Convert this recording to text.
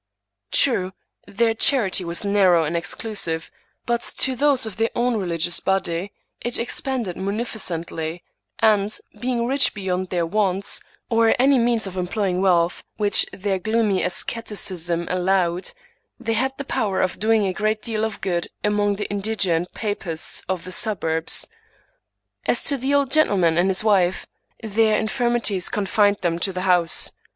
True, their charity was narrow and exclusive, but to those of their own religious body it expanded munificently; and, being rich beyond their wants, or any means of employing wealth which their gloomy asceticism allowed, they had the power of doing a great deal of good among the indigent papists of the suburbs. As to the old gentleman and his wife, their infirmities confined them to the house.